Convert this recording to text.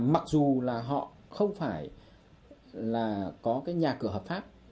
mặc dù là họ không phải là có cái nhà cửa hợp pháp